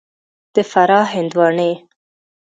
د فراه هندوانې